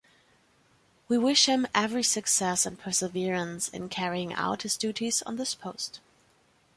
We wish him every success and perseverance in carrying out his duties on this post.